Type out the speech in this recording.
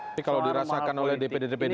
tapi kalau dirasakan oleh dpd dpd